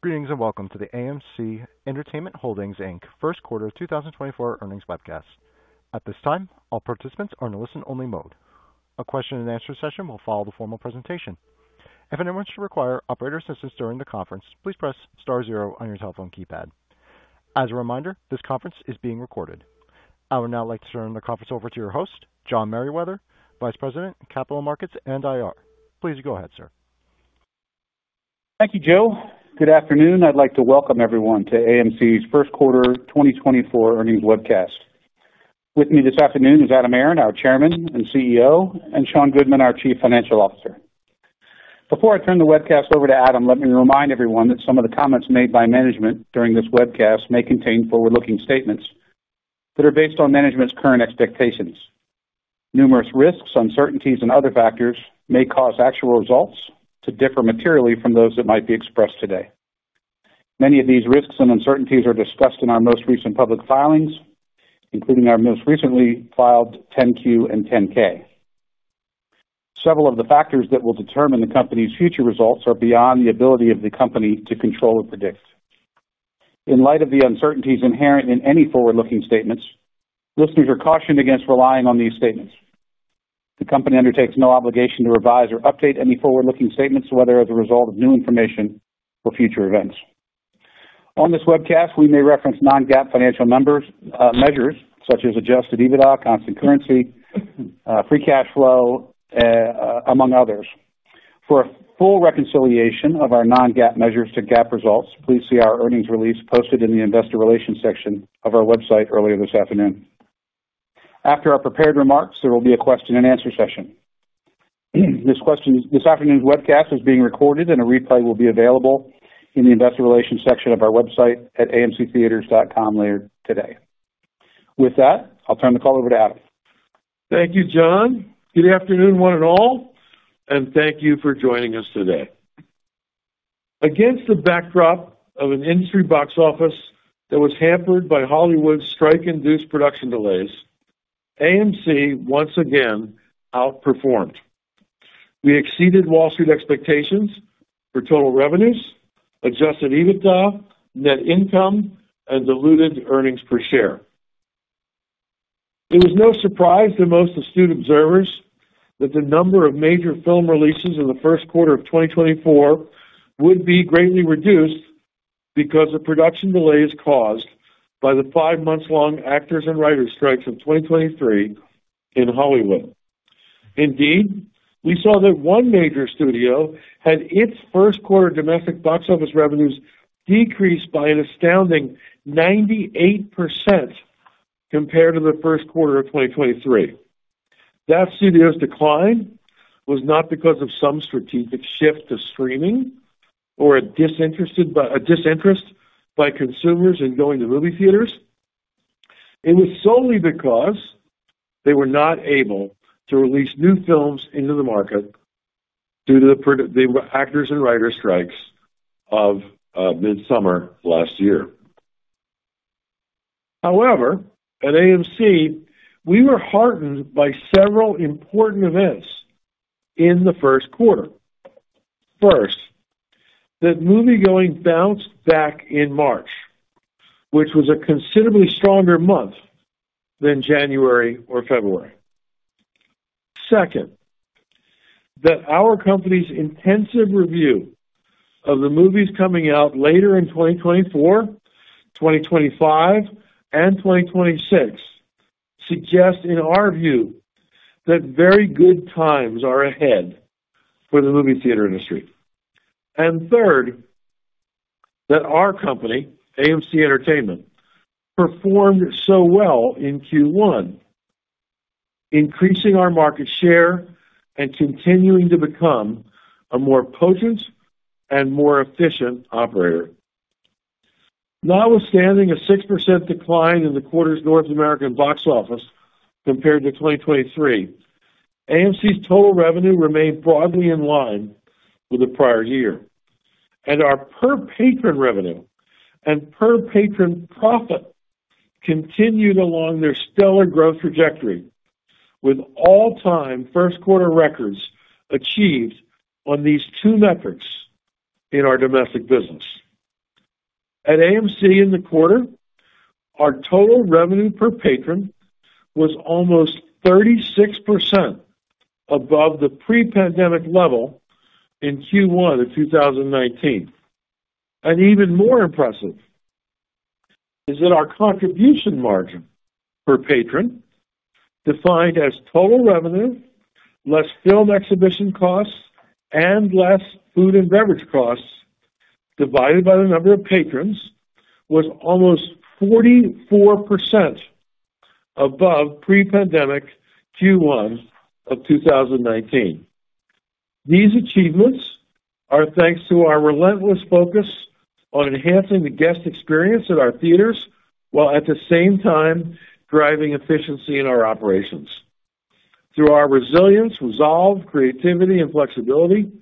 Greetings and welcome to the AMC Entertainment Holdings, Inc. first quarter 2024 earnings webcast. At this time, all participants are in a listen-only mode. A question-and-answer session will follow the formal presentation. If anyone should require operator assistance during the conference, please press star zero on your telephone keypad. As a reminder, this conference is being recorded. I would now like to turn the conference over to your host, John Merriwether, Vice President, Capital Markets and IR. Please go ahead, sir. Thank you, Joe. Good afternoon. I'd like to welcome everyone to AMC's first quarter 2024 earnings webcast. With me this afternoon is Adam Aron, our Chairman and CEO, and Sean Goodman, our Chief Financial Officer. Before I turn the webcast over to Adam, let me remind everyone that some of the comments made by management during this webcast may contain forward-looking statements that are based on management's current expectations. Numerous risks, uncertainties, and other factors may cause actual results to differ materially from those that might be expressed today. Many of these risks and uncertainties are discussed in our most recent public filings, including our most recently filed 10-Q and 10-K. Several of the factors that will determine the company's future results are beyond the ability of the company to control or predict. In light of the uncertainties inherent in any forward-looking statements, listeners are cautioned against relying on these statements. The company undertakes no obligation to revise or update any forward-looking statements, whether as a result of new information or future events. On this webcast, we may reference non-GAAP financial measures such as Adjusted EBITDA, Constant Currency, Free Cash Flow, among others. For a full reconciliation of our non-GAAP measures to GAAP results, please see our earnings release posted in the investor relations section of our website earlier this afternoon. After our prepared remarks, there will be a question-and-answer session. This afternoon's webcast is being recorded, and a replay will be available in the investor relations section of our website at amctheatres.com later today. With that, I'll turn the call over to Adam. Thank you, John. Good afternoon, one and all, and thank you for joining us today. Against the backdrop of an industry box office that was hampered by Hollywood's strike-induced production delays, AMC once again outperformed. We exceeded Wall Street expectations for total revenues, Adjusted EBITDA, net income, and diluted earnings per share. It was no surprise to most astute observers that the number of major film releases in the first quarter of 2024 would be greatly reduced because of production delays caused by the five-month-long actors and writers' strikes of 2023 in Hollywood. Indeed, we saw that one major studio had its first quarter domestic box office revenues decrease by an astounding 98% compared to the first quarter of 2023. That studio's decline was not because of some strategic shift to streaming or a disinterest by consumers in going to movie theaters. It was solely because they were not able to release new films into the market due to the actors and writers' strikes of midsummer last year. However, at AMC, we were heartened by several important events in the first quarter. First, that moviegoing bounced back in March, which was a considerably stronger month than January or February. Second, that our company's intensive review of the movies coming out later in 2024, 2025, and 2026 suggests, in our view, that very good times are ahead for the movie theater industry. And third, that our company, AMC Entertainment, performed so well in Q1, increasing our market share and continuing to become a more potent and more efficient operator. Now, notwithstanding a 6% decline in the quarter's North American box office compared to 2023, AMC's total revenue remained broadly in line with the prior year, and our per-patron revenue and per-patron profit continued along their stellar growth trajectory, with all-time first quarter records achieved on these two metrics in our domestic business. At AMC in the quarter, our total revenue per patron was almost 36% above the pre-pandemic level in Q1 of 2019. Even more impressive is that our contribution margin per patron, defined as total revenue less film exhibition costs and less food and beverage costs divided by the number of patrons, was almost 44% above pre-pandemic Q1 of 2019. These achievements are thanks to our relentless focus on enhancing the guest experience at our theaters while at the same time driving efficiency in our operations. Through our resilience, resolve, creativity, and flexibility,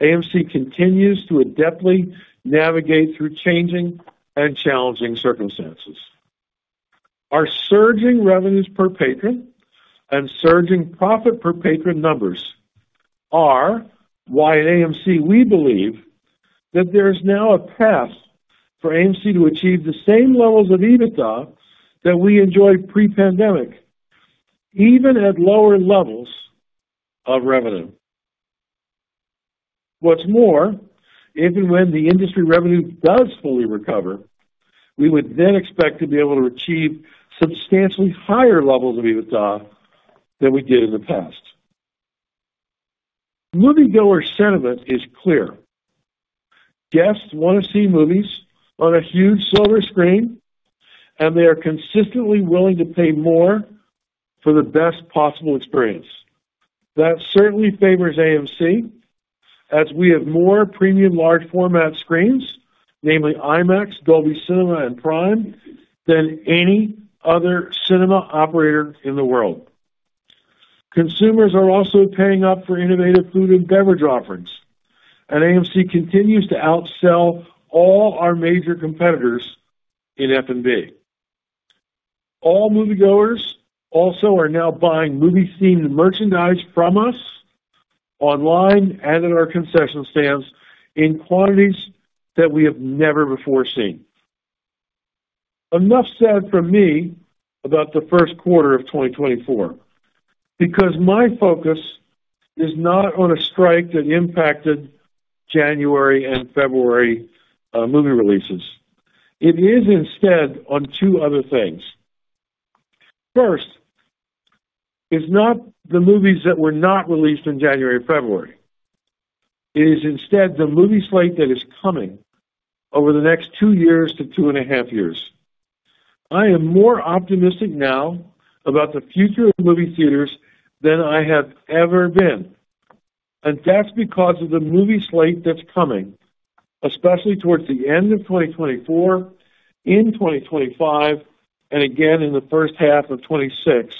AMC continues to adeptly navigate through changing and challenging circumstances. Our surging revenues per patron and surging profit per patron numbers are why, at AMC, we believe that there is now a path for AMC to achieve the same levels of EBITDA that we enjoyed pre-pandemic, even at lower levels of revenue. What's more, if and when the industry revenue does fully recover, we would then expect to be able to achieve substantially higher levels of EBITDA than we did in the past. Moviegoer sentiment is clear. Guests want to see movies on a huge silver screen, and they are consistently willing to pay more for the best possible experience. That certainly favors AMC, as we have more premium large-format screens, namely IMAX, Dolby Cinema, and Prime, than any other cinema operator in the world. Consumers are also paying up for innovative food and beverage offerings, and AMC continues to outsell all our major competitors in F&B. All moviegoers also are now buying movie-themed merchandise from us online and at our concession stands in quantities that we have never before seen. Enough said from me about the first quarter of 2024 because my focus is not on a strike that impacted January and February movie releases. It is instead on two other things. First, it's not the movies that were not released in January or February. It is instead the movie slate that is coming over the next two years to two and a half years. I am more optimistic now about the future of movie theaters than I have ever been, and that's because of the movie slate that's coming, especially towards the end of 2024, in 2025, and again in the first half of 2026,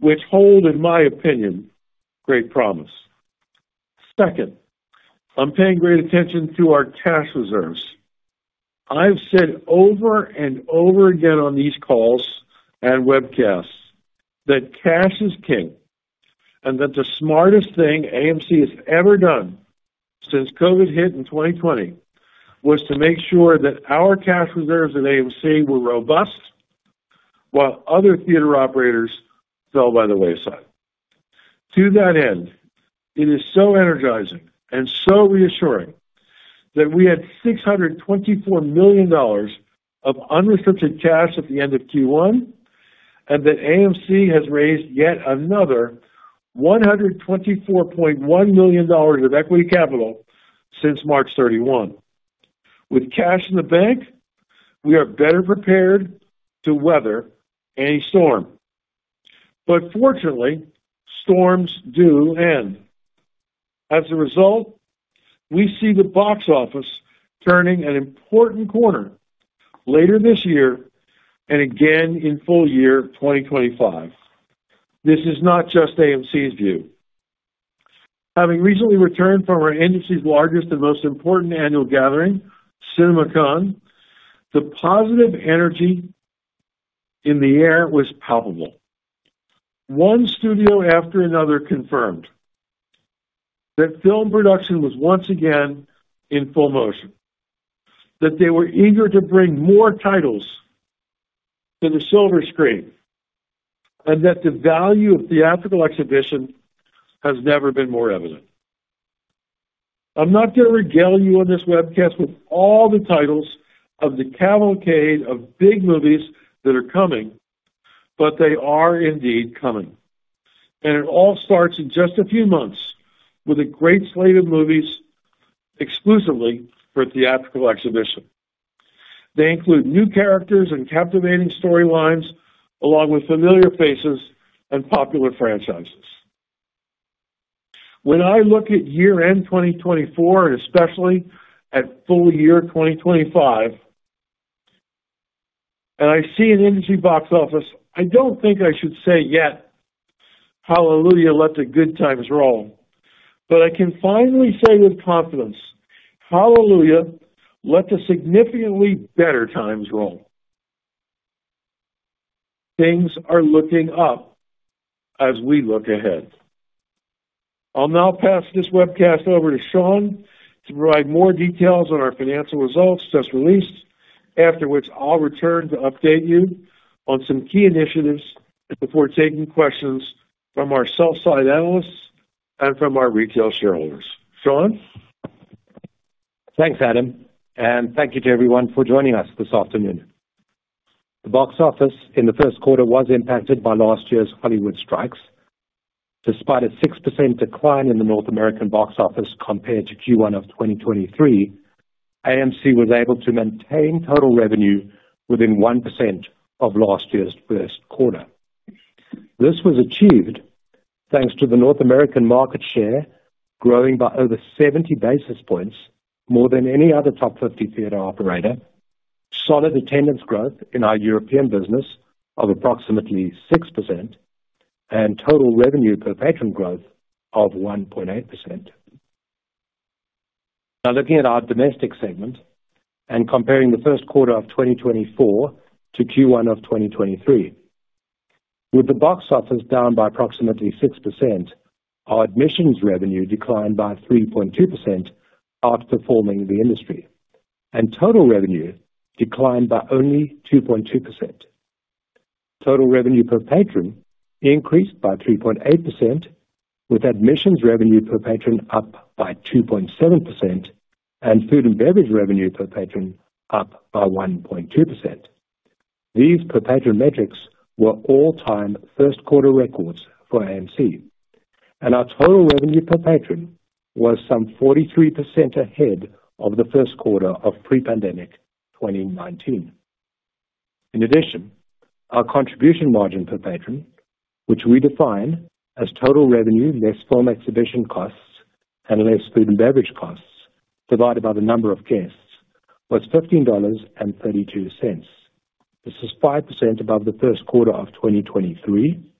which hold, in my opinion, great promise. Second, I'm paying great attention to our cash reserves. I've said over and over again on these calls and webcasts that cash is king and that the smartest thing AMC has ever done since COVID hit in 2020 was to make sure that our cash reserves at AMC were robust while other theater operators fell by the wayside. To that end, it is so energizing and so reassuring that we had $624 million of unrestricted cash at the end of Q1 and that AMC has raised yet another $124.1 million of equity capital since March 31, 2024. With cash in the bank, we are better prepared to weather any storm. But fortunately, storms do end. As a result, we see the box office turning an important corner later this year and again in full year 2025. This is not just AMC's view. Having recently returned from our industry's largest and most important annual gathering, CinemaCon, the positive energy in the air was palpable. One studio after another confirmed that film production was once again in full motion, that they were eager to bring more titles to the silver screen, and that the value of theatrical exhibition has never been more evident. I'm not going to regale you on this webcast with all the titles of the cavalcade of big movies that are coming, bt they are indeed coming. And it all starts in just a few months with a great slate of movies exclusively for theatrical exhibition. They include new characters and captivating storylines along with familiar faces and popular franchises. When I look at year-end 2024 and especially at full year 2025 and I see an industry box office, I don't think I should say yet, "Hallelujah, let the good times roll," but I can finally say with confidence, "Hallelujah, let the significantly better times roll." Things are looking up as we look ahead. I'll now pass this webcast over to Sean to provide more details on our financial results just released, after which I'll return to update you on some key initiatives before taking questions from our sell-side analysts and from our retail shareholders. Sean? Thanks, Adam, and thank you to everyone for joining us this afternoon. The box office in the first quarter was impacted by last year's Hollywood strikes. Despite a 6% decline in the North American box office compared to Q1 of 2023, AMC was able to maintain total revenue within 1% of last year's first quarter. This was achieved thanks to the North American market share growing by over 70 basis points, more than any other top 50 theater operator, solid attendance growth in our European business of approximately 6%, and total revenue per patron growth of 1.8%. Now, looking at our domestic segment and comparing the first quarter of 2024 to Q1 of 2023, with the box office down by approximately 6%, our admissions revenue declined by 3.2%, outperforming the industry, and total revenue declined by only 2.2%. Total revenue per patron increased by 3.8%, with admissions revenue per patron up by 2.7% and food and beverage revenue per patron up by 1.2%. These per-patron metrics were all-time first quarter records for AMC, and our total revenue per patron was some 43% ahead of the first quarter of pre-pandemic 2019. In addition, our contribution margin per patron, which we define as total revenue less film exhibition costs and less food and beverage costs divided by the number of guests, was $15.32. This is 5% above the first quarter of 2023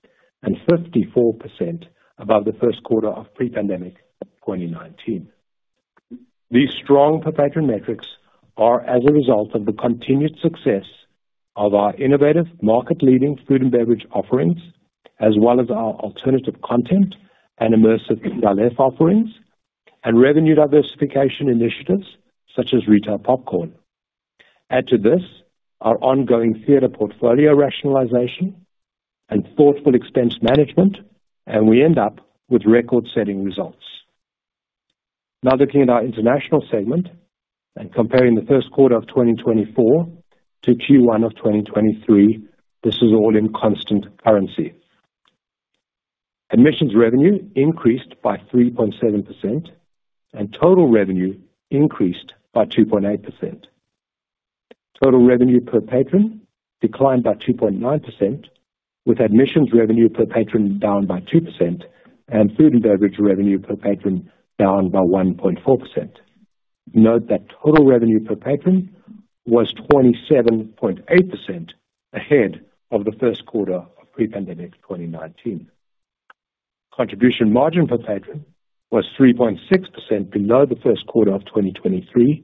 and 54% above the first quarter of pre-pandemic 2019. These strong per-patron metrics are as a result of the continued success of our innovative market-leading food and beverage offerings, as well as our alternative content and immersive galette offerings, and revenue diversification initiatives such as retail popcorn. Add to this our ongoing theater portfolio rationalization and thoughtful expense management, and we end up with record-setting results. Now, looking at our international segment and comparing the first quarter of 2024 to Q1 of 2023, this is all in constant currency. Admissions revenue increased by 3.7%, and total revenue increased by 2.8%. Total revenue per patron declined by 2.9%, with admissions revenue per patron down by 2% and food and beverage revenue per patron down by 1.4%. Note that total revenue per patron was 27.8% ahead of the first quarter of pre-pandemic 2019. Contribution margin per patron was 3.6% below the first quarter of 2023,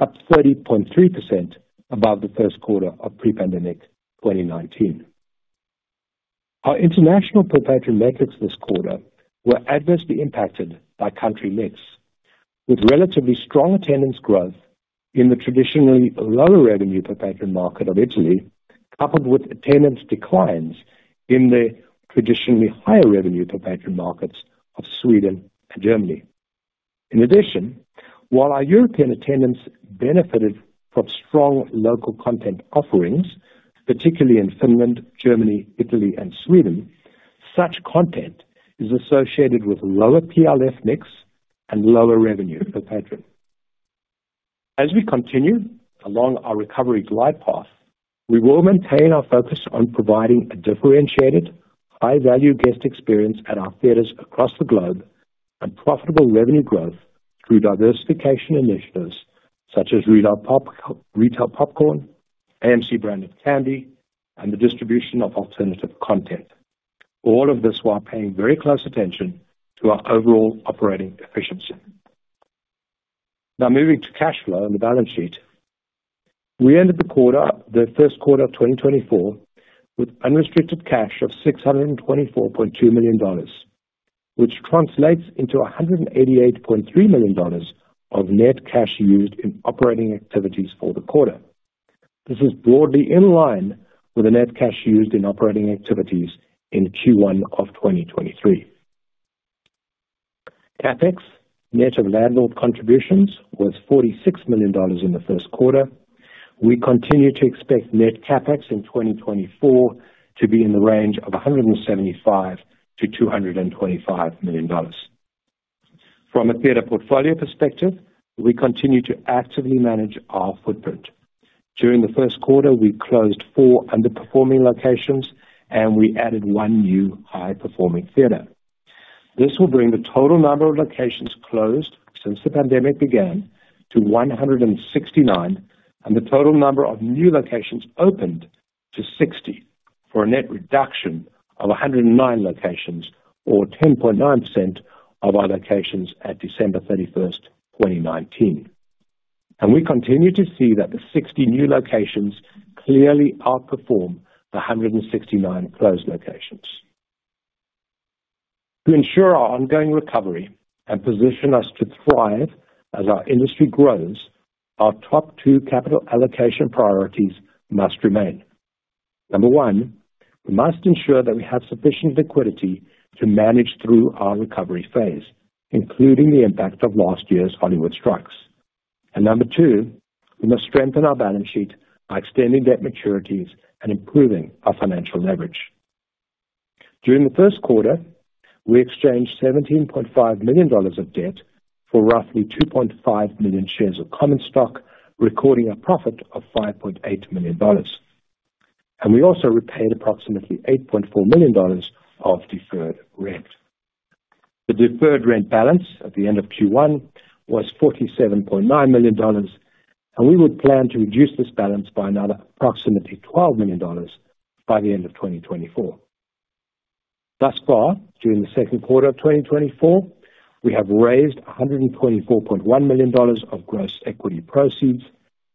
up 30.3% above the first quarter of pre-pandemic 2019. Our international per-patron metrics this quarter were adversely impacted by country mix, with relatively strong attendance growth in the traditionally lower revenue per patron market of Italy, coupled with attendance declines in the traditionally higher revenue per patron markets of Sweden and Germany. In addition, while our European attendance benefited from strong local content offerings, particularly in Finland, Germany, Italy, and Sweden, such content is associated with lower PLF mix and lower revenue per patron. As we continue along our recovery glide path, we will maintain our focus on providing a differentiated, high-value guest experience at our theaters across the globe and profitable revenue growth through diversification initiatives such as retail popcorn, AMC-branded candy, and the distribution of alternative content. All of this while paying very close attention to our overall operating efficiency. Now, moving to cash flow and the balance sheet, we ended the first quarter of 2024 with unrestricted cash of $624.2 million, which translates into $188.3 million of net cash used in operating activities for the quarter. This is broadly in line with the net cash used in operating activities in Q1 of 2023. CapEx, net of landlord contributions, was $46 million in the first quarter. We continue to expect net CapEx in 2024 to be in the range of $175-$225 million. From a theater portfolio perspective, we continue to actively manage our footprint. During the first quarter, we closed four underperforming locations, and we added one new high-performing theater. This will bring the total number of locations closed since the pandemic began to 169, and the total number of new locations opened to 60, for a net reduction of 109 locations, or 10.9% of our locations at December 31st, 2019. We continue to see that the 60 new locations clearly outperform the 169 closed locations. To ensure our ongoing recovery and position us to thrive as our industry grows, our top two capital allocation priorities must remain. Number one, we must ensure that we have sufficient liquidity to manage through our recovery phase, including the impact of last year's Hollywood strikes. Number two, we must strengthen our balance sheet by extending debt maturities and improving our financial leverage. During the first quarter, we exchanged $17.5 million of debt for roughly 2.5 million shares of common stock, recording a profit of $5.8 million. We also repaid approximately $8.4 million of deferred rent. The deferred rent balance at the end of Q1 was $47.9 million, and we would plan to reduce this balance by another approximately $12 million by the end of 2024. Thus far, during the second quarter of 2024, we have raised $124.1 million of gross equity proceeds,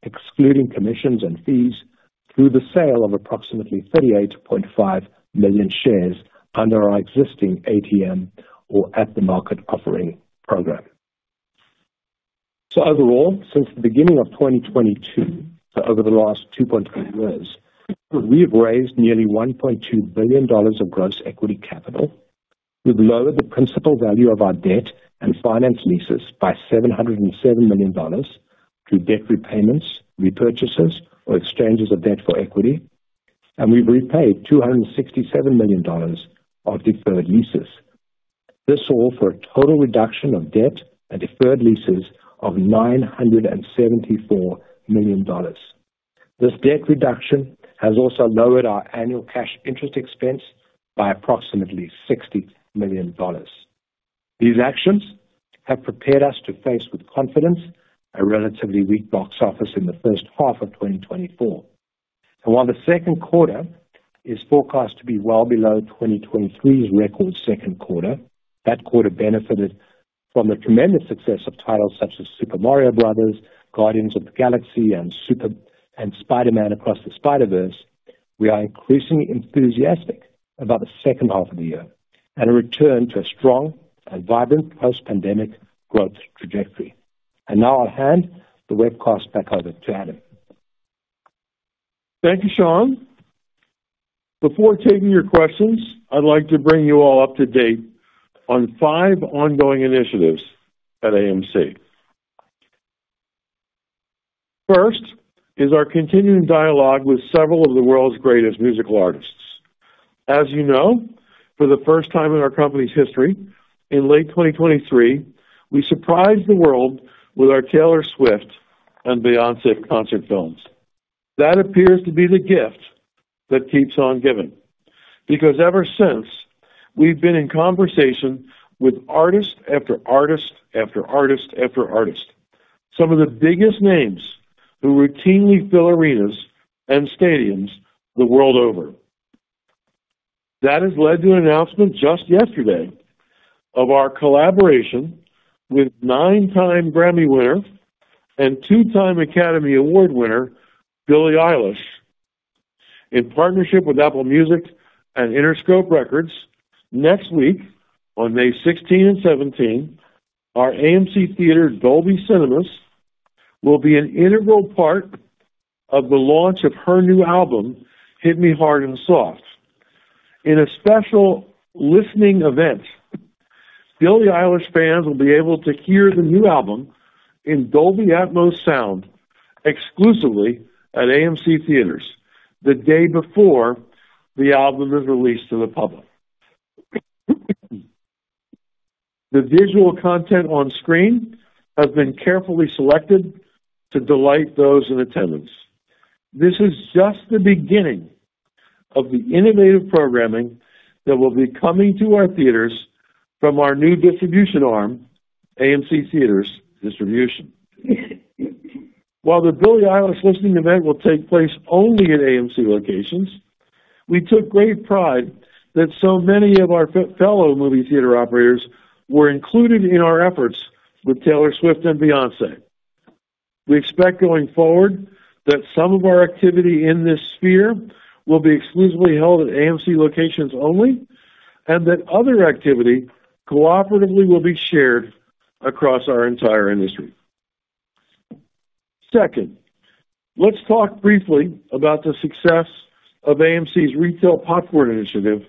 excluding commissions and fees, through the sale of approximately 38.5 million shares under our existing ATM or at-the-market offering program. Overall, since the beginning of 2022, so over the last 2.3 years, we have raised nearly $1.2 billion of gross equity capital. We've lowered the principal value of our debt and finance leases by $707 million through debt repayments, repurchases, or exchanges of debt for equity, and we've repaid $267 million of deferred leases. This all for a total reduction of debt and deferred leases of $974 million. This debt reduction has also lowered our annual cash interest expense by approximately $60 million. These actions have prepared us to face, with confidence, a relatively weak box office in the first half of 2024. And while the second quarter is forecast to be well below 2023's record second quarter - that quarter benefited from the tremendous success of titles such as Super Mario Bros., Guardians of the Galaxy, and Spider-Man: Across the Spider-Verse - we are increasingly enthusiastic about the second half of the year and a return to a strong and vibrant post-pandemic growth trajectory. And now I'll hand the webcast back over to Adam. Thank you, Sean. Before taking your questions, I'd like to bring you all up to date on five ongoing initiatives at AMC. First is our continuing dialogue with several of the world's greatest musical artists. As you know, for the first time in our company's history, in late 2023, we surprised the world with our Taylor Swift and Beyoncé concert films. That appears to be the gift that keeps on giving because ever since, we've been in conversation with artist after artist after artist after artist, some of the biggest names who routinely fill arenas and stadiums the world over. That has led to an announcement just yesterday of our collaboration with nine-time Grammy winner and two-time Academy Award winner Billie Eilish. In partnership with Apple Music and Interscope Records, next week on May 16 and 17, our AMC theater Dolby Cinemas will be an integral part of the launch of her new album, Hit Me Hard and Soft. In a special listening event, Billie Eilish fans will be able to hear the new album in Dolby Atmos sound exclusively at AMC theaters the day before the album is released to the public. The visual content on screen has been carefully selected to delight those in attendance. This is just the beginning of the innovative programming that will be coming to our theaters from our new distribution arm, AMC Theatres Distribution. While the Billie Eilish listening event will take place only at AMC locations, we took great pride that so many of our fellow movie theater operators were included in our efforts with Taylor Swift and Beyoncé. We expect going forward that some of our activity in this sphere will be exclusively held at AMC locations only and that other activity cooperatively will be shared across our entire industry. Second, let's talk briefly about the success of AMC's retail popcorn initiative,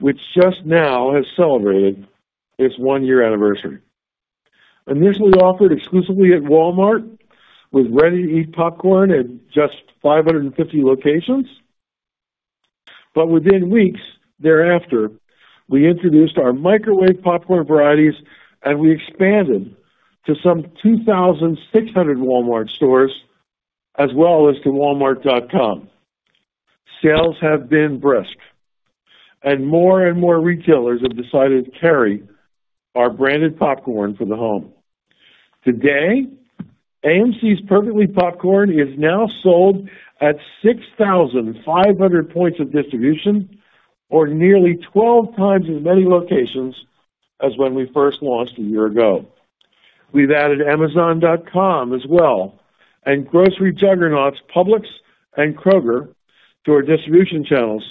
which just now has celebrated its one-year anniversary. Initially offered exclusively at Walmart with ready-to-eat popcorn in just 550 locations, but within weeks thereafter, we introduced our microwave popcorn varieties, and we expanded to some 2,600 Walmart stores as well as to Walmart.com. Sales have been brisk, and more and more retailers have decided to carry our branded popcorn for the home. Today, AMC Perfectly Popcorn is now sold at 6,500 points of distribution, or nearly 12 times as many locations as when we first launched a year ago. We've added Amazon.com as well and grocery juggernauts Publix and Kroger to our distribution channels,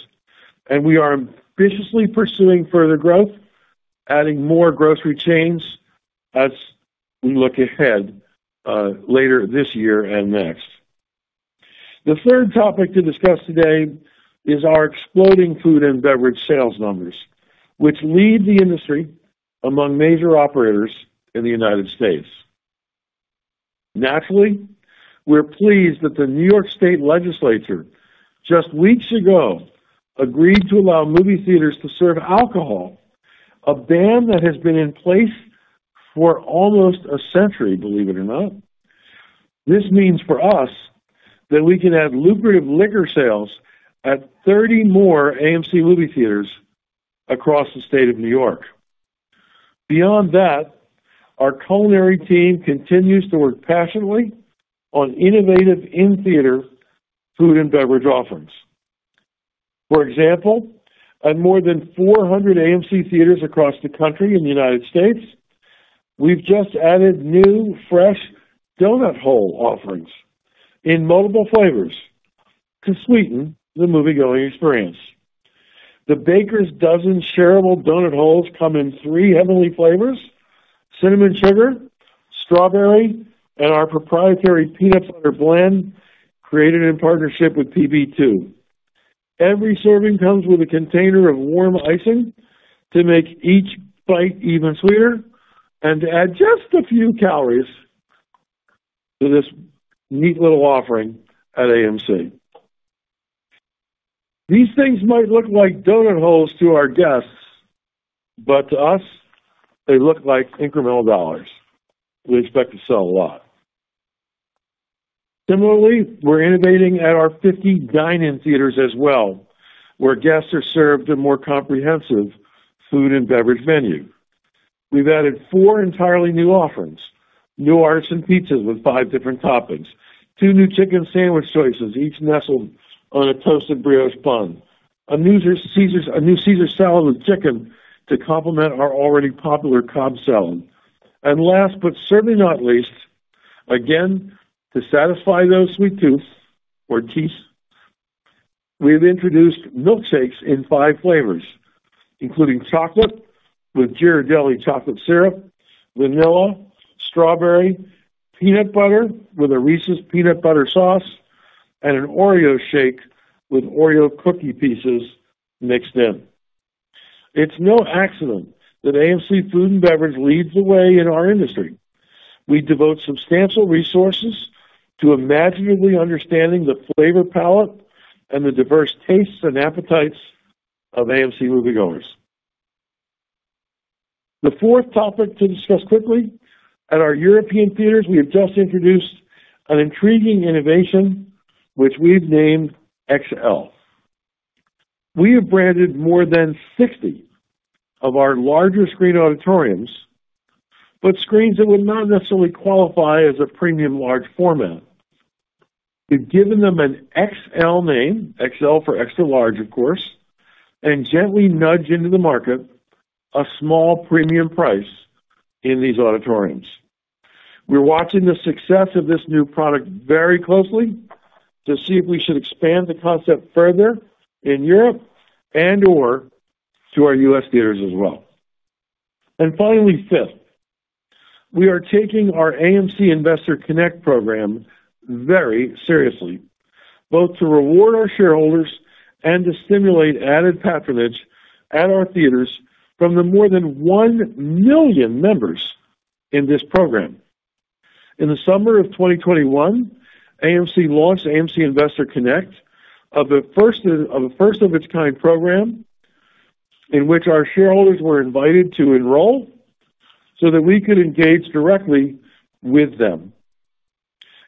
and we are ambitiously pursuing further growth, adding more grocery chains as we look ahead later this year and next. The third topic to discuss today is our exploding food and beverage sales numbers, which lead the industry among major operators in the United States. Naturally, we're pleased that the New York State Legislature, just weeks ago, agreed to allow movie theaters to serve alcohol, a ban that has been in place for almost a century, believe it or not. This means for us that we can add lucrative liquor sales at 30 more AMC movie theaters across the state of New York. Beyond that, our culinary team continues to work passionately on innovative in-theater food and beverage offerings. For example, at more than 400 AMC theaters across the country in the United States, we've just added new, fresh donut hole offerings in multiple flavors to sweeten the movie-going experience. The Baker's Dozen shareable donut holes come in three heavenly flavors: cinnamon sugar, strawberry, and our proprietary peanut butter blend created in partnership with PB2. Every serving comes with a container of warm icing to make each bite even sweeter and to add just a few calories to this neat little offering at AMC. These things might look like donut holes to our guests, but to us, they look like incremental dollars. We expect to sell a lot. Similarly, we're innovating at our 50 dine-in theaters as well, where guests are served a more comprehensive food and beverage venue. We've added 4 entirely new offerings: New Artisan Pizzas with 5 different toppings, two new chicken sandwich choices, each nestled on a toasted brioche bun, a new Caesar salad with chicken to complement our already popular Cobb salad, and last but certainly not least, again, to satisfy those sweet tooths or teeth, we've introduced milkshakes in 5 flavors, including chocolate with Ghirardelli chocolate syrup, vanilla, strawberry, peanut butter with a Reese's peanut butter sauce, and an Oreo shake with Oreo cookie pieces mixed in. It's no accident that AMC Food and Beverage leads the way in our industry. We devote substantial resources to imaginatively understanding the flavor palette and the diverse tastes and appetites of AMC movie-goers. The fourth topic to discuss quickly: at our European theaters, we have just introduced an intriguing innovation, which we've named XL. We have branded more than 60 of our larger screen auditoriums, but screens that would not necessarily qualify as a premium large format. We've given them an XL name - XL for extra large, of course - and gently nudged into the market a small premium price in these auditoriums. We're watching the success of this new product very closely to see if we should expand the concept further in Europe and/or to our U.S. theaters as well. And finally, fifth, we are taking our AMC Investor Connect program very seriously, both to reward our shareholders and to stimulate added patronage at our theaters from the more than one million members in this program. In the summer of 2021, AMC launched AMC Investor Connect, a first-of-its-kind program in which our shareholders were invited to enroll so that we could engage directly with them.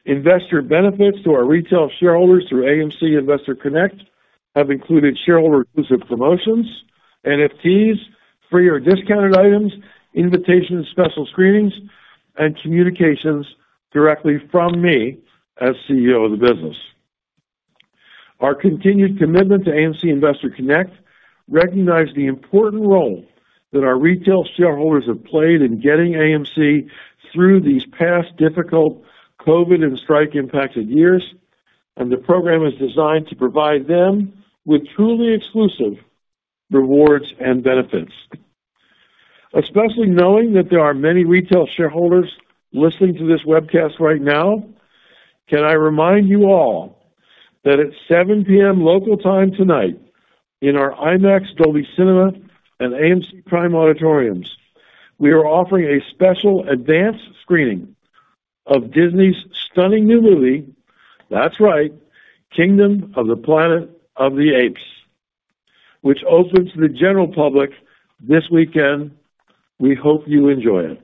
Investor benefits to our retail shareholders through AMC Investor Connect have included shareholder-exclusive promotions, NFTs, free or discounted items, invitations to special screenings, and communications directly from me as CEO of the business. Our continued commitment to AMC Investor Connect recognizes the important role that our retail shareholders have played in getting AMC through these past difficult COVID and strike-impacted years, and the program is designed to provide them with truly exclusive rewards and benefits. Especially knowing that there are many retail shareholders listening to this webcast right now, can I remind you all that at 7:00 P.M. local time tonight in our IMAX Dolby Cinema and AMC Prime auditoriums, we are offering a special advanced screening of Disney's stunning new movie - that's right, Kingdom of the Planet of the Apes - which opens to the general public this weekend. We hope you enjoy it.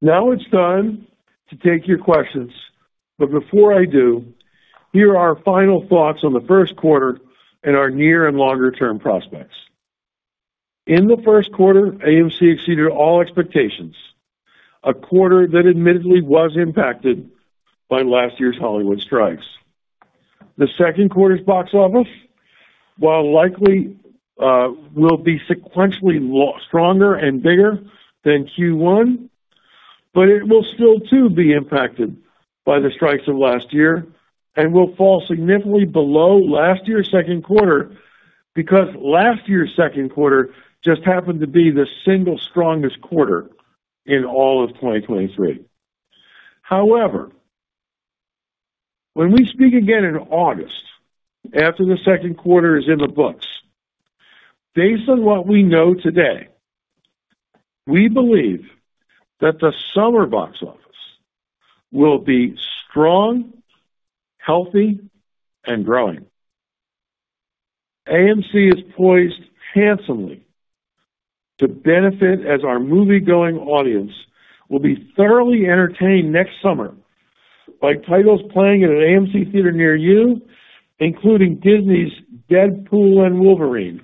Now it's time to take your questions, but before I do, here are our final thoughts on the first quarter and our near and longer-term prospects. In the first quarter, AMC exceeded all expectations, a quarter that admittedly was impacted by last year's Hollywood strikes. The second quarter's box office, while likely will be sequentially stronger and bigger than Q1, but it will still, too, be impacted by the strikes of last year and will fall significantly below last year's second quarter because last year's second quarter just happened to be the single strongest quarter in all of 2023. However, when we speak again in August after the second quarter is in the books, based on what we know today, we believe that the summer box office will be strong, healthy, and growing. AMC is poised handsomely to benefit as our movie-going audience will be thoroughly entertained next summer by titles playing in an AMC theater near you, including Disney's Deadpool and Wolverine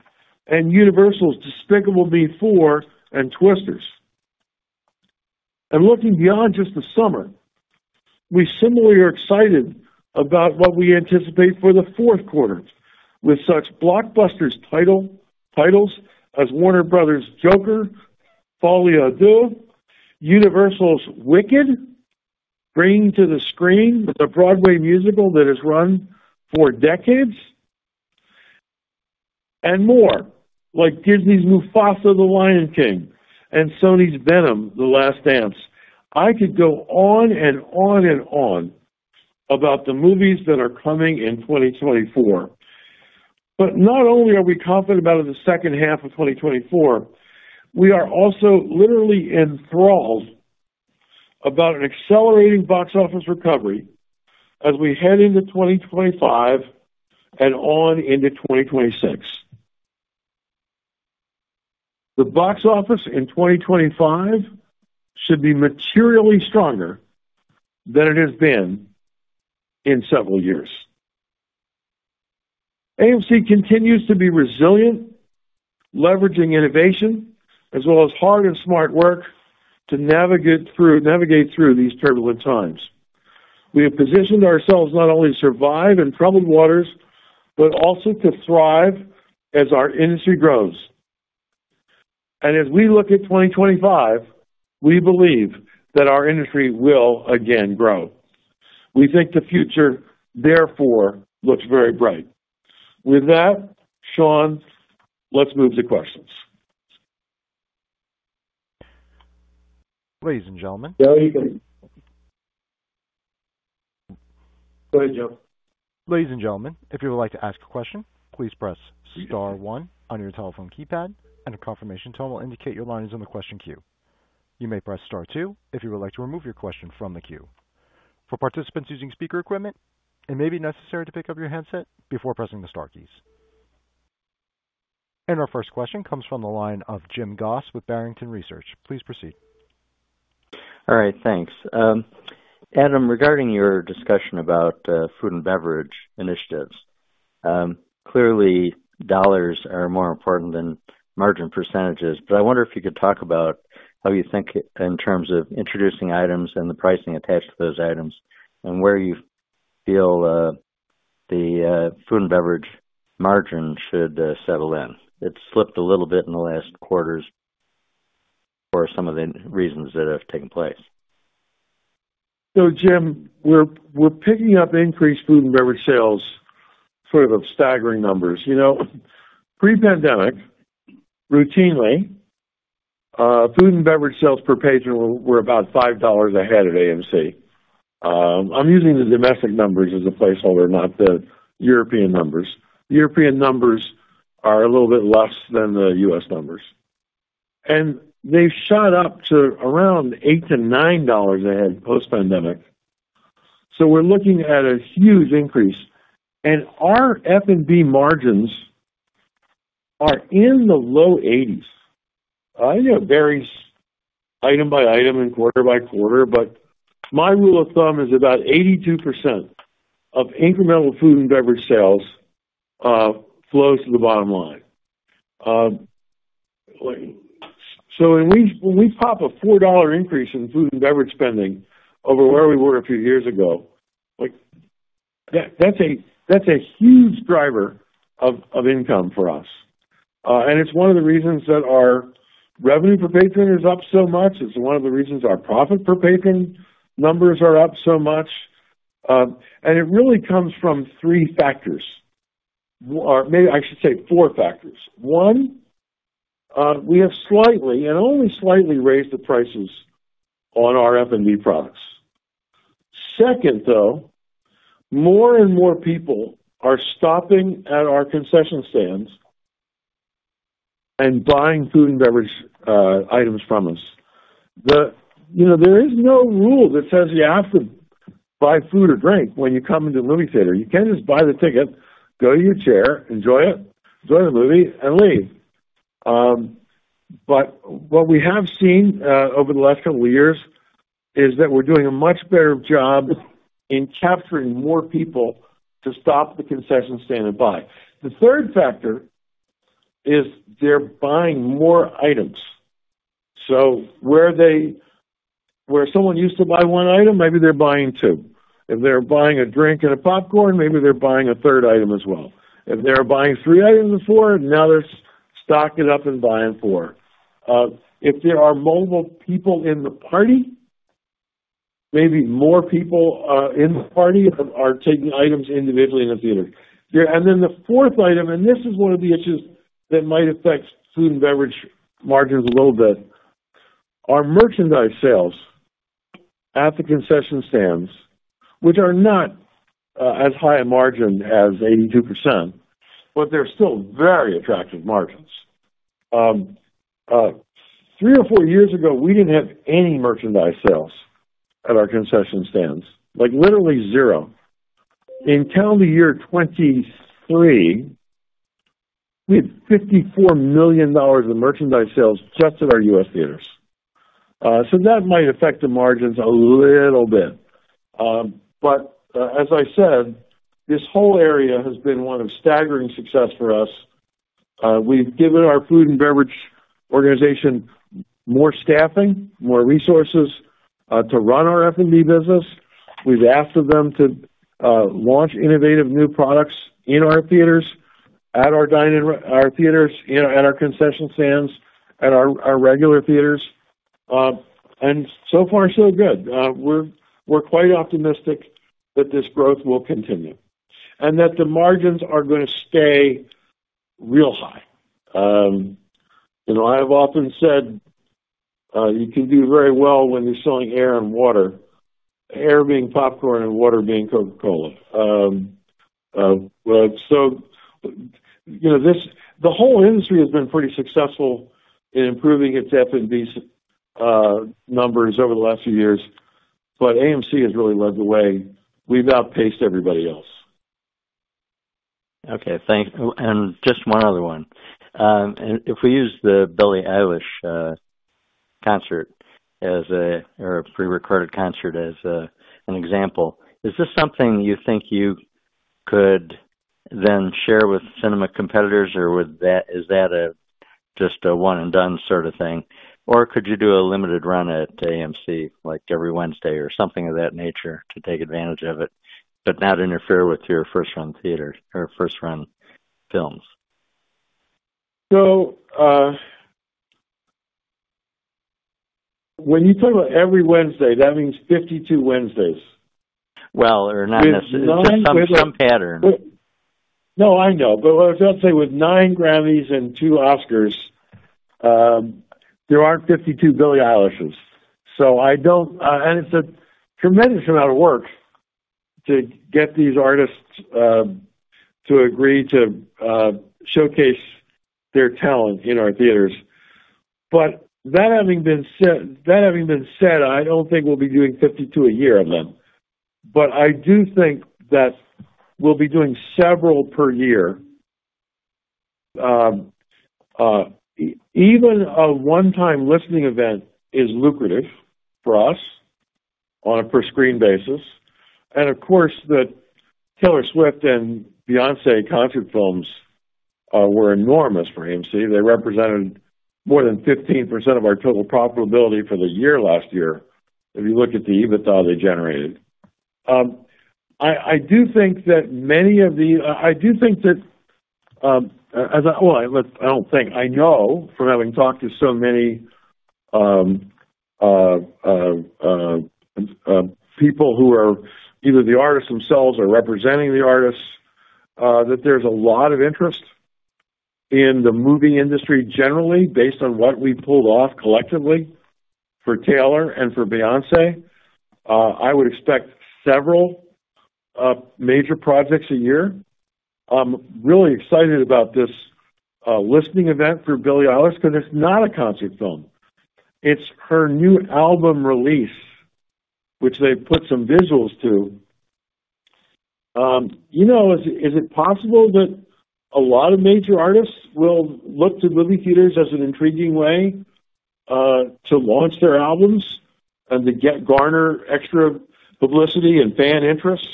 and Universal's Despicable Me 4 and Twisters. Looking beyond just the summer, we similarly are excited about what we anticipate for the fourth quarter with such blockbusters titles as Warner Bros.' Joker: Folie à Deux, Universal's Wicked bringing to the screen the Broadway musical that has run for decades, and more like Disney's Mufasa: The Lion King and Sony's Venom: The Last Dance. I could go on and on and on about the movies that are coming in 2024. Not only are we confident about the second half of 2024, we are also literally enthralled about an accelerating box office recovery as we head into 2025 and on into 2026. The box office in 2025 should be materially stronger than it has been in several years. AMC continues to be resilient, leveraging innovation as well as hard and smart work to navigate through these turbulent times. We have positioned ourselves not only to survive in troubled waters but also to thrive as our industry grows. As we look at 2025, we believe that our industry will again grow. We think the future, therefore, looks very bright. With that, Sean, let's move to questions. Ladies and gentlemen. Joe, you can. Go ahead, Joe. Ladies and gentlemen, if you would like to ask a question, please press star 1 on your telephone keypad, and a confirmation tone will indicate your line is on the question queue. You may press star two if you would like to remove your question from the queue. For participants using speaker equipment, it may be necessary to pick up your handset before pressing the star keys. Our first question comes from the line of Jim Goss with Barrington Research. Please proceed. All right, thanks. Adam, regarding your discussion about food and beverage initiatives, clearly dollars are more important than margin percentages, but I wonder if you could talk about how you think in terms of introducing items and the pricing attached to those items and where you feel the food and beverage margin should settle in. It's slipped a little bit in the last quarters for some of the reasons that have taken place. So Jim, we're picking up increased food and beverage sales, sort of staggering numbers. Pre-pandemic, routinely, food and beverage sales per patron were about $5 a head at AMC. I'm using the domestic numbers as a placeholder, not the European numbers. The European numbers are a little bit less than the U.S. numbers. And they've shot up to around $8-$9 a head post-pandemic, so we're looking at a huge increase. And our F&B margins are in the low 80s%. I know it varies item by item and quarter by quarter, but my rule of thumb is about 82% of incremental food and beverage sales flows to the bottom line. So when we pop a $4 increase in food and beverage spending over where we were a few years ago, that's a huge driver of income for us. It's one of the reasons that our revenue per patron is up so much. It's one of the reasons our profit per patron numbers are up so much. It really comes from three factors. I should say four factors. One, we have slightly and only slightly raised the prices on our F&B products. Second, though, more and more people are stopping at our concession stands and buying food and beverage items from us. There is no rule that says you have to buy food or drink when you come into a movie theater. You can just buy the ticket, go to your chair, enjoy it, enjoy the movie, and leave. But what we have seen over the last couple of years is that we're doing a much better job in capturing more people to stop at the concession stand and buy. The third factor is they're buying more items. So where someone used to buy one item, maybe they're buying two. If they're buying a drink and a popcorn, maybe they're buying a third item as well. If they were buying three items before, now they're stocking up and buying four. If there are multiple people in the party, maybe more people in the party are taking items individually in the theater. And then the fourth item - and this is one of the issues that might affect food and beverage margins a little bit - are merchandise sales at the concession stands, which are not as high a margin as 82%, but they're still very attractive margins. Three or four years ago, we didn't have any merchandise sales at our concession stands, literally zero. In calendar year 2023, we had $54 million in merchandise sales just at our U.S. theaters. So that might affect the margins a little bit. But as I said, this whole area has been one of staggering success for us. We've given our food and beverage organization more staffing, more resources to run our F&B business. We've asked of them to launch innovative new products in our theaters, at our theaters, at our concession stands, at our regular theaters. And so far, so good. We're quite optimistic that this growth will continue and that the margins are going to stay real high. I have often said you can do very well when you're selling air and water, air being popcorn and water being Coca-Cola. So the whole industry has been pretty successful in improving its F&B numbers over the last few years, but AMC has really led the way. We've outpaced everybody else. Okay. And just one other one. If we use the Billie Eilish concert or a prerecorded concert as an example, is this something you think you could then share with cinema competitors, or is that just a one-and-done sort of thing? Or could you do a limited run at AMC every Wednesday or something of that nature to take advantage of it but not interfere with your first-run theater or first-run films? When you talk about every Wednesday, that means 52 Wednesdays. Well, or not necessarily. It's just some pattern. No, I know. But I was about to say with nine Grammys and two Oscars, there aren't 52 Billie Eilishes. And it's a tremendous amount of work to get these artists to agree to showcase their talent in our theaters. But that having been said, I don't think we'll be doing 52 a year of them. But I do think that we'll be doing several per year. Even a one-time listening event is lucrative for us on a per-screen basis. And of course, the Taylor Swift and Beyoncé concert films were enormous for AMC. They represented more than 15% of our total profitability for the year last year if you look at the EBITDA they generated. I do think that many of these I do think that well, I don't think. I know from having talked to so many people who are either the artists themselves or representing the artists that there's a lot of interest in the movie industry generally based on what we pulled off collectively for Taylor and for Beyoncé. I would expect several major projects a year. I'm really excited about this listening event for Billie Eilish because it's not a concert film. It's her new album release, which they've put some visuals to. Is it possible that a lot of major artists will look to movie theaters as an intriguing way to launch their albums and to garner extra publicity and fan interest,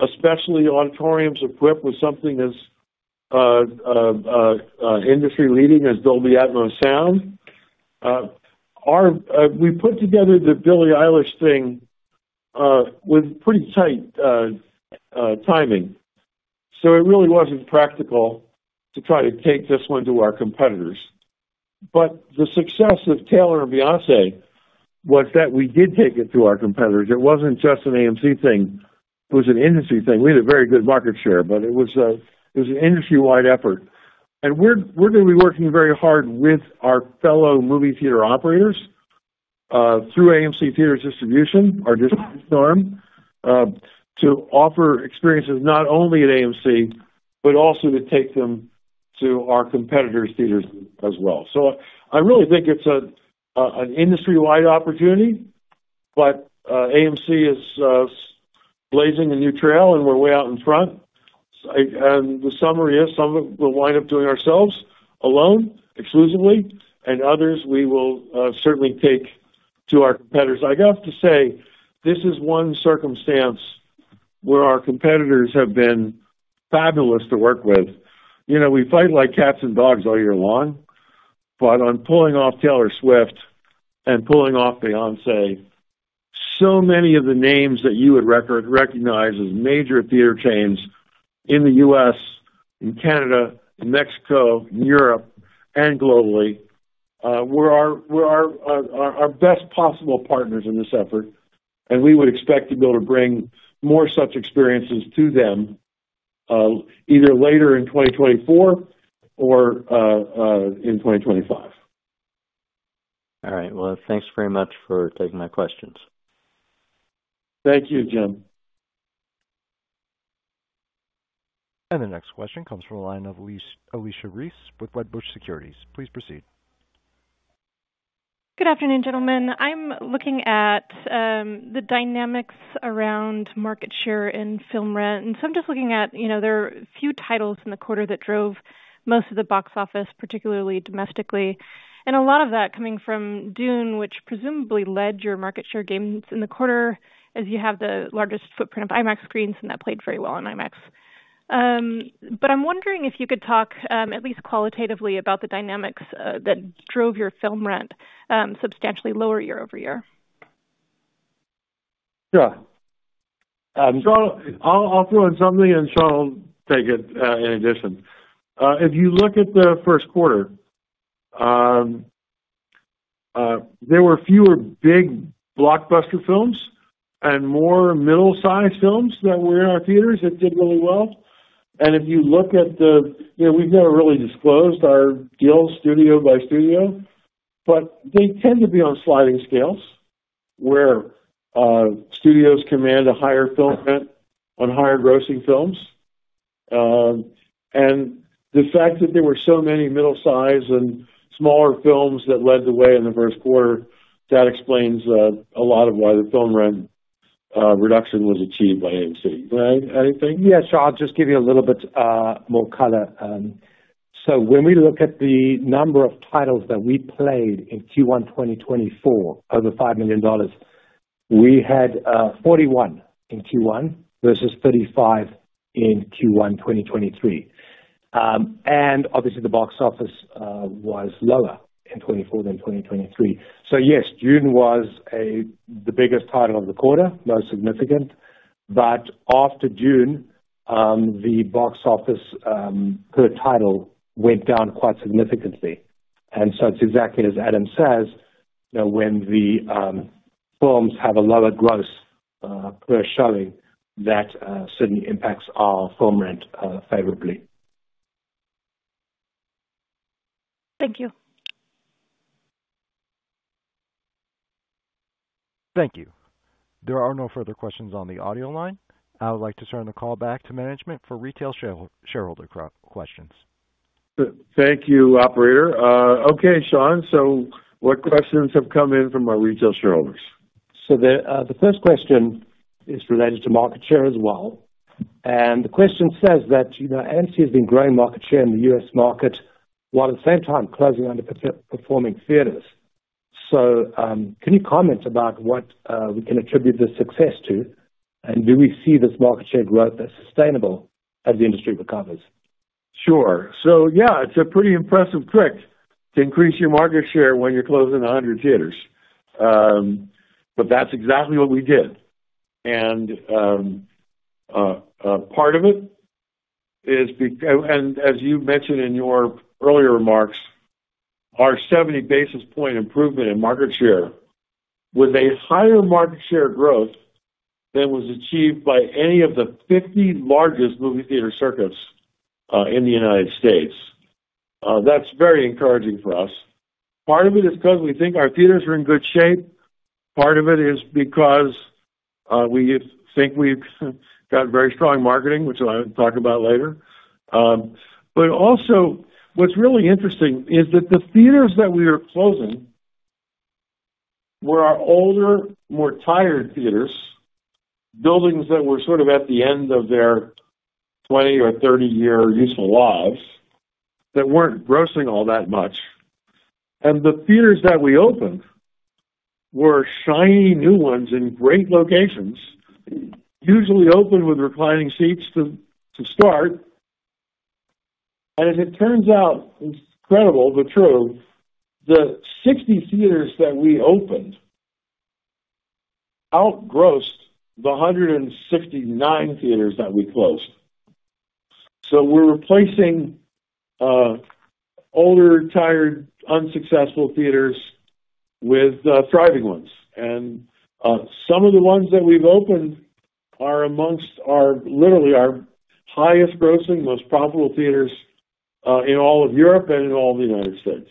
especially auditoriums equipped with something as industry-leading as Dolby Atmos sound? We put together the Billie Eilish thing with pretty tight timing, so it really wasn't practical to try to take this one to our competitors. But the success of Taylor and Beyoncé was that we did take it to our competitors. It wasn't just an AMC thing. It was an industry thing. We had a very good market share, but it was an industry-wide effort. And we're going to be working very hard with our fellow movie theater operators through AMC Theater Distribution, our distribution arm, to offer experiences not only at AMC but also to take them to our competitors' theaters as well. So I really think it's an industry-wide opportunity, but AMC is blazing a new trail, and we're way out in front. And the summary is some of it we'll wind up doing ourselves alone, exclusively, and others we will certainly take to our competitors. I got to say, this is one circumstance where our competitors have been fabulous to work with. We fight like cats and dogs all year long, but on pulling off Taylor Swift and pulling off Beyoncé, so many of the names that you would recognize as major theater chains in the U.S., in Canada, in Mexico, in Europe, and globally were our best possible partners in this effort, and we would expect to be able to bring more such experiences to them either later in 2024 or in 2025. All right. Well, thanks very much for taking my questions. Thank you, Jim. The next question comes from the line of Alicia Reese with Wedbush Securities. Please proceed. Good afternoon, gentlemen. I'm looking at the dynamics around market share in film rent. And so I'm just looking at there are a few titles in the quarter that drove most of the box office, particularly domestically, and a lot of that coming from Dune, which presumably led your market share gains in the quarter as you have the largest footprint of IMAX screens, and that played very well on IMAX. But I'm wondering if you could talk at least qualitatively about the dynamics that drove your film rent substantially lower year-over-year. Sure. Sean, I'll throw in something, and Sean will take it in addition. If you look at the first quarter, there were fewer big blockbuster films and more middle-sized films that were in our theaters that did really well. And if you look at, we've never really disclosed our deals studio by studio, but they tend to be on sliding scales where studios command a higher film rent on higher grossing films. And the fact that there were so many middle-sized and smaller films that led the way in the first quarter, that explains a lot of why the film rent reduction was achieved by AMC. Can I add anything? Yeah. Sean, I'll just give you a little bit more color. So when we look at the number of titles that we played in Q1 2024 over $5 million, we had 41 in Q1 versus 35 in Q1 2023. And obviously, the box office was lower in 2024 than 2023. So yes, Dune was the biggest title of the quarter, most significant. But after Dune, the box office per title went down quite significantly. And so it's exactly as Adam says, when the films have a lower gross per showing, that certainly impacts our film rent favorably. Thank you. Thank you. There are no further questions on the audio line. I would like to turn the call back to management for retail shareholder questions. Thank you, operator. Okay, Sean. So what questions have come in from our retail shareholders? The first question is related to market share as well. The question says that AMC has been growing market share in the U.S. market while at the same time closing underperforming theaters. Can you comment about what we can attribute this success to, and do we see this market share growth as sustainable as the industry recovers? Sure. So yeah, it's a pretty impressive trick to increase your market share when you're closing 100 theaters. But that's exactly what we did. And part of it is, as you mentioned in your earlier remarks, our 70 basis point improvement in market share was a higher market share growth than was achieved by any of the 50 largest movie theater circuits in the United States. That's very encouraging for us. Part of it is because we think our theaters are in good shape. Part of it is because we think we've got very strong marketing, which I'll talk about later. But also, what's really interesting is that the theaters that we were closing were our older, more tired theaters, buildings that were sort of at the end of their 20 or 30-year useful lives that weren't grossing all that much. The theaters that we opened were shiny new ones in great locations, usually open with reclining seats to start. As it turns out, incredible, but true, the 60 theaters that we opened outgrossed the 169 theaters that we closed. We're replacing older, tired, unsuccessful theaters with thriving ones. Some of the ones that we've opened are literally our highest grossing, most profitable theaters in all of Europe and in all of the United States.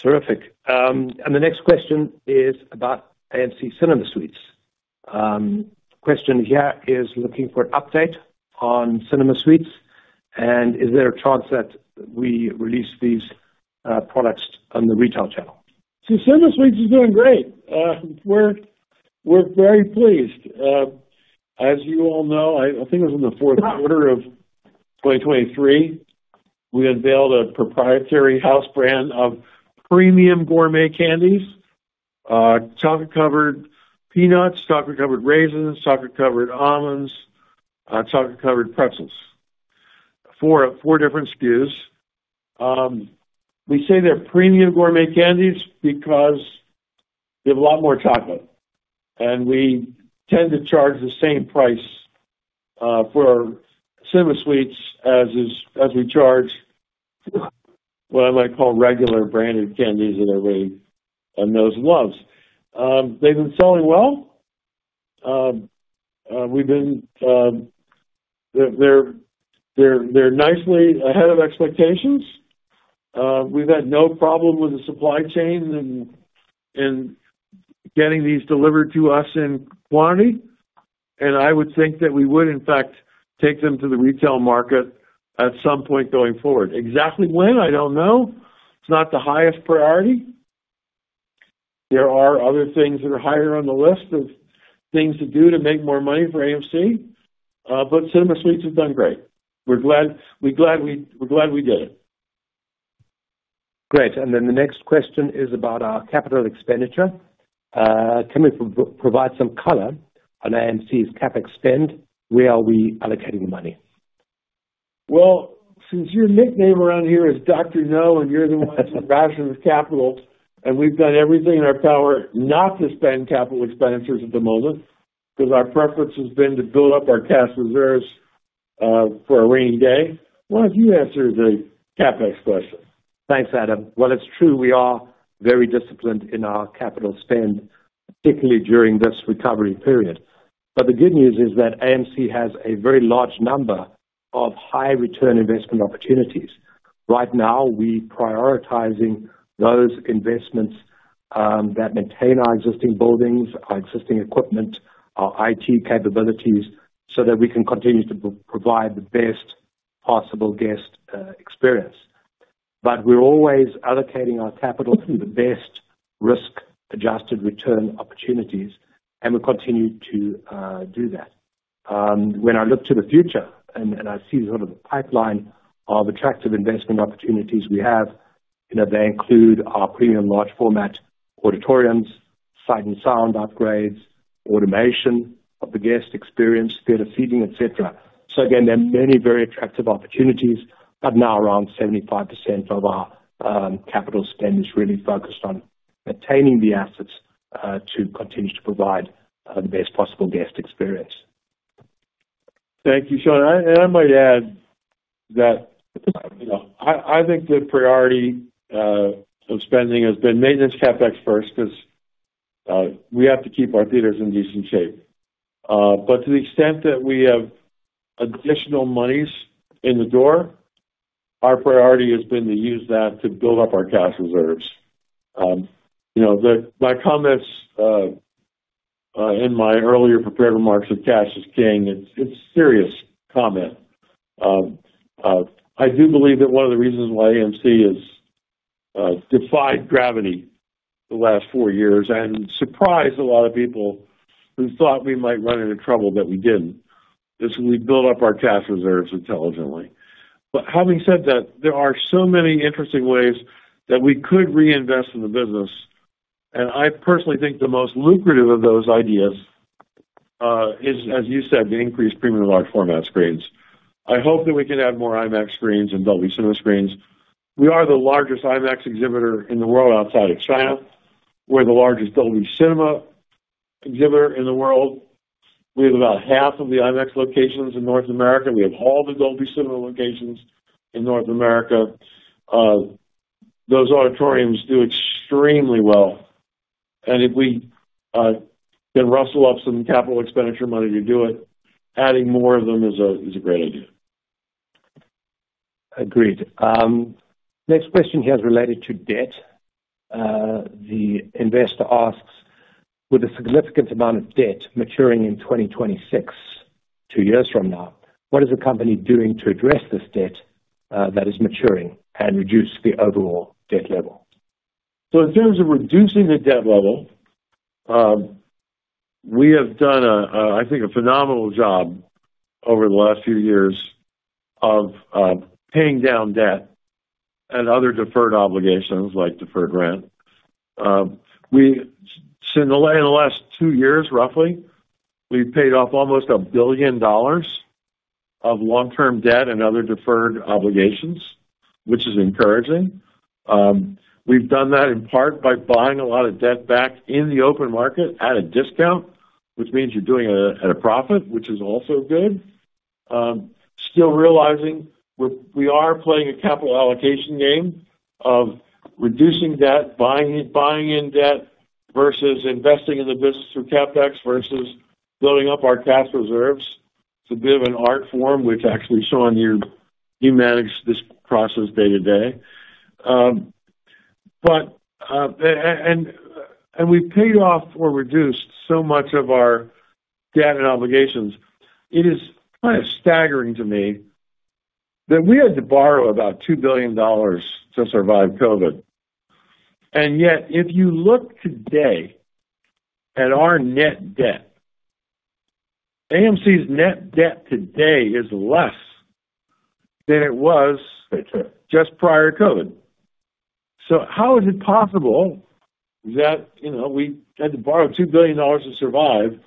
Terrific. The next question is about AMC Cinema Sweets. Question here is looking for an update on Cinema Sweets, and is there a chance that we release these products on the retail channel? See, AMC Cinema Sweets is doing great. We're very pleased. As you all know, I think it was in the fourth quarter of 2023, we unveiled a proprietary house brand of premium gourmet candies, chocolate-covered peanuts, chocolate-covered raisins, chocolate-covered almonds, chocolate-covered pretzels, four different SKUs. We say they're premium gourmet candies because they have a lot more chocolate, and we tend to charge the same price for AMC Cinema Sweets as we charge what I might call regular branded candies that everybody knows and loves. They've been selling well. They're nicely ahead of expectations. We've had no problem with the supply chain in getting these delivered to us in quantity. And I would think that we would, in fact, take them to the retail market at some point going forward. Exactly when, I don't know. It's not the highest priority. There are other things that are higher on the list of things to do to make more money for AMC, but Cinema Suites have done great. We're glad we did it. Great. And then the next question is about our capital expenditure. Can we provide some color on AMC's CapEx spend? Where are we allocating the money? Well, since your nickname around here is Dr. No, and you're the one who rations capital, and we've done everything in our power not to spend capital expenditures at the moment because our preference has been to build up our cash reserves for a rainy day, why don't you answer the CapEx question? Thanks, Adam. Well, it's true. We are very disciplined in our capital spend, particularly during this recovery period. The good news is that AMC has a very large number of high-return investment opportunities. Right now, we're prioritizing those investments that maintain our existing buildings, our existing equipment, our IT capabilities so that we can continue to provide the best possible guest experience. We're always allocating our capital through the best risk-adjusted return opportunities, and we continue to do that. When I look to the future and I see sort of the pipeline of attractive investment opportunities we have, they include our premium large-format auditoriums, sight and sound upgrades, automation of the guest experience, theater seating, etc. Again, there are many very attractive opportunities, but now around 75% of our capital spend is really focused on maintaining the assets to continue to provide the best possible guest experience. Thank you, Sean. And I might add that I think the priority of spending has been maintenance CapEx first because we have to keep our theaters in decent shape. But to the extent that we have additional monies in the door, our priority has been to use that to build up our cash reserves. My comments in my earlier prepared remarks of "cash is king." It's a serious comment. I do believe that one of the reasons why AMC has defied gravity the last four years and surprised a lot of people who thought we might run into trouble that we didn't is we built up our cash reserves intelligently. But having said that, there are so many interesting ways that we could reinvest in the business. And I personally think the most lucrative of those ideas is, as you said, to increase premium large-format screens. I hope that we can add more IMAX screens and Dolby Cinema screens. We are the largest IMAX exhibitor in the world outside of China. We're the largest Dolby Cinema exhibitor in the world. We have about half of the IMAX locations in North America. We have all the Dolby Cinema locations in North America. Those auditoriums do extremely well. And if we can rustle up some capital expenditure money to do it, adding more of them is a great idea. Agreed. Next question here is related to debt. The investor asks, with a significant amount of debt maturing in 2026, two years from now, what is the company doing to address this debt that is maturing and reduce the overall debt level? So in terms of reducing the debt level, we have done, I think, a phenomenal job over the last few years of paying down debt and other deferred obligations like deferred rent. In the last two years, roughly, we've paid off almost $1 billion of long-term debt and other deferred obligations, which is encouraging. We've done that in part by buying a lot of debt back in the open market at a discount, which means you're doing it at a profit, which is also good, still realizing we are playing a capital allocation game of reducing debt, buying in debt versus investing in the business through CapEx versus building up our cash reserves. It's a bit of an art form, which actually, Sean, you manage this process day to day. We've paid off or reduced so much of our debt and obligations, it is kind of staggering to me that we had to borrow about $2 billion to survive COVID. And yet, if you look today at our net debt, AMC's net debt today is less than it was just prior to COVID. So how is it possible that we had to borrow $2 billion to survive,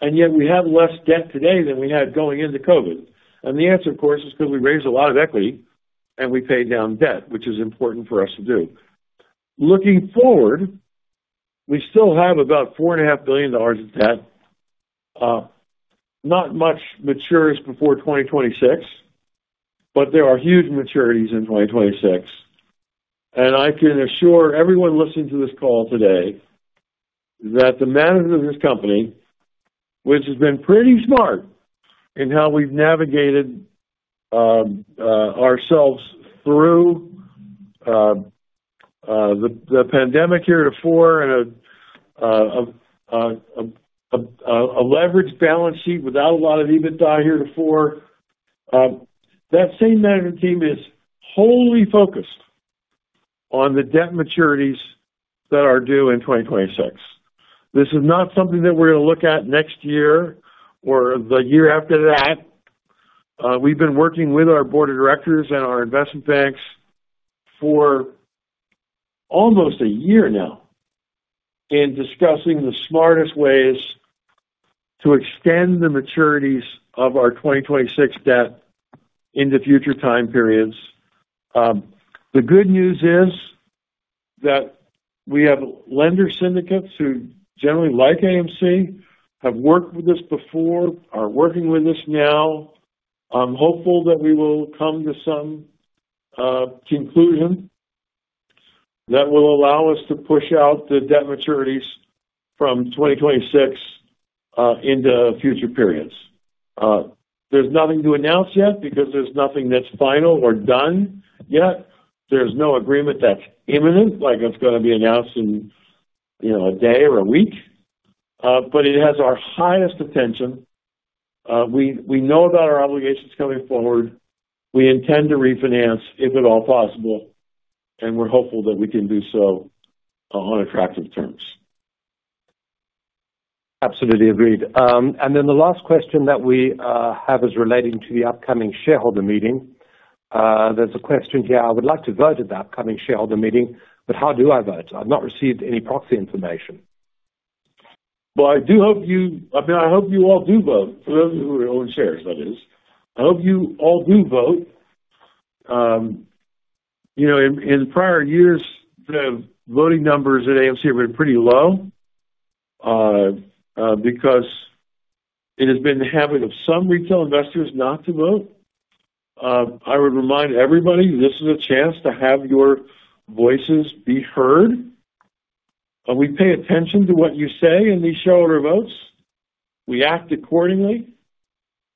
and yet we have less debt today than we had going into COVID? And the answer, of course, is because we raised a lot of equity, and we paid down debt, which is important for us to do. Looking forward, we still have about $4.5 billion of debt. Not much matures before 2026, but there are huge maturities in 2026. I can assure everyone listening to this call today that the management of this company, which has been pretty smart in how we've navigated ourselves through the pandemic year to four and a leveraged balance sheet without a lot of EBITDA year to four, that same management team is wholly focused on the debt maturities that are due in 2026. This is not something that we're going to look at next year or the year after that. We've been working with our board of directors and our investment banks for almost a year now in discussing the smartest ways to extend the maturities of our 2026 debt into future time periods. The good news is that we have lender syndicates who generally like AMC, have worked with us before, are working with us now. I'm hopeful that we will come to some conclusion that will allow us to push out the debt maturities from 2026 into future periods. There's nothing to announce yet because there's nothing that's final or done yet. There's no agreement that's imminent like it's going to be announced in a day or a week. But it has our highest attention. We know about our obligations coming forward. We intend to refinance, if at all possible, and we're hopeful that we can do so on attractive terms. Absolutely agreed. Then the last question that we have is relating to the upcoming shareholder meeting. There's a question here, "I would like to vote at the upcoming shareholder meeting, but how do I vote? I've not received any proxy information. Well, I mean, I hope you all do vote, for those of you who own shares, that is. I hope you all do vote. In prior years, the voting numbers at AMC have been pretty low because it has been the habit of some retail investors not to vote. I would remind everybody, this is a chance to have your voices be heard. We pay attention to what you say in these shareholder votes. We act accordingly.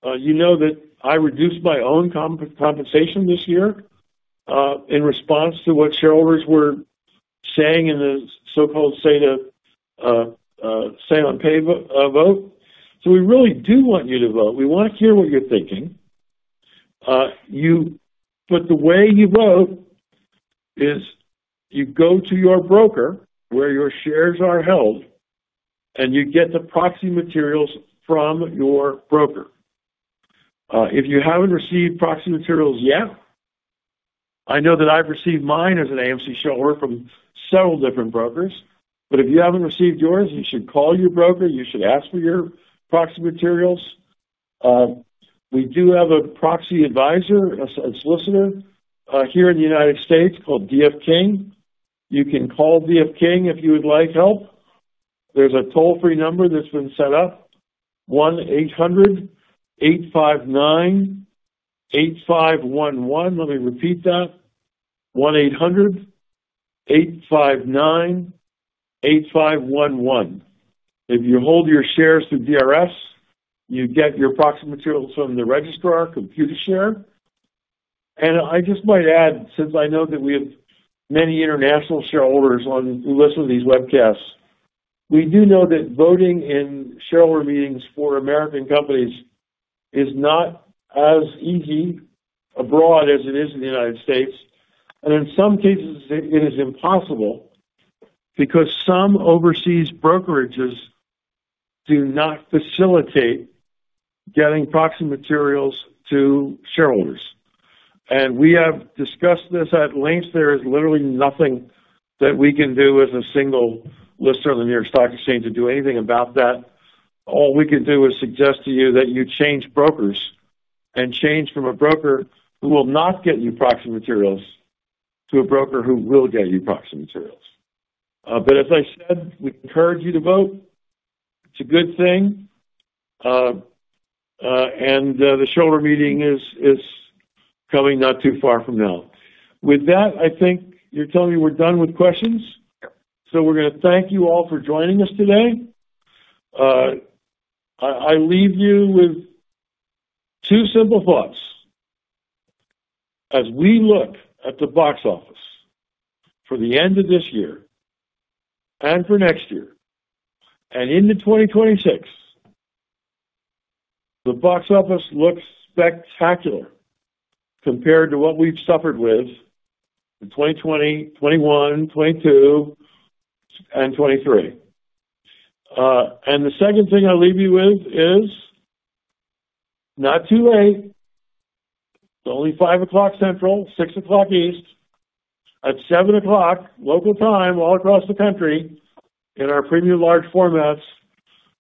You know that I reduced my own compensation this year in response to what shareholders were saying in the so-called say-on-pay vote. So we really do want you to vote. We want to hear what you're thinking. But the way you vote is you go to your broker where your shares are held, and you get the proxy materials from your broker. If you haven't received proxy materials yet, I know that I've received mine as an AMC shareholder from several different brokers. But if you haven't received yours, you should call your broker. You should ask for your proxy materials. We do have a proxy advisor, a solicitor here in the United States called D.F. King. You can call D.F. King if you would like help. There's a toll-free number that's been set up, 1-800-859-8511. Let me repeat that, 1-800-859-8511. If you hold your shares through DRS, you get your proxy materials from the registrar, Computershare. And I just might add, since I know that we have many international shareholders who listen to these webcasts, we do know that voting in shareholder meetings for American companies is not as easy abroad as it is in the United States. In some cases, it is impossible because some overseas brokerages do not facilitate getting proxy materials to shareholders. We have discussed this at length. There is literally nothing that we can do as a single listener on the New York Stock Exchange to do anything about that. All we can do is suggest to you that you change brokers and change from a broker who will not get you proxy materials to a broker who will get you proxy materials. But as I said, we encourage you to vote. It's a good thing. The shareholder meeting is coming not too far from now. With that, I think you're telling me we're done with questions. We're going to thank you all for joining us today. I leave you with two simple thoughts. As we look at the box office for the end of this year and for next year and into 2026, the box office looks spectacular compared to what we've suffered with in 2020, 2021, 2022, and 2023. The second thing I leave you with is not too late. It's only 5:00 P.M. Central, 6:00 P.M. Eastern. At 7:00 P.M. local time all across the country in our premium large formats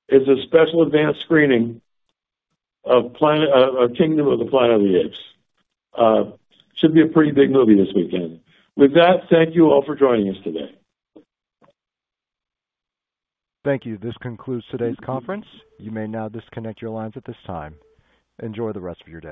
is a special advanced screening of Kingdom of the Planet of the Apes. It should be a pretty big movie this weekend. With that, thank you all for joining us today. Thank you. This concludes today's conference. You may now disconnect your lines at this time. Enjoy the rest of your day.